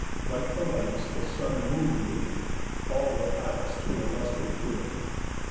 Like the lights The sun and moon gave, all the palace threw A lustre through it.